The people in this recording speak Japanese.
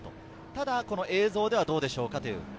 ただ映像ではどうでしょうか？